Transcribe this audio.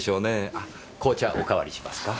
あ紅茶おかわりしますか？